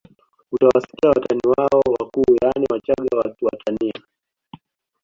Utawasikia watani wao wakuu yaani Wachaga wakiwatania